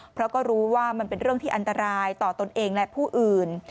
เพราะก็รู้ว่ามันเป็นเรื่องที่อันตรายต่อตนเองและผู้อื่น